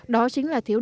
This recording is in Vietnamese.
đó chính là thiếu lợi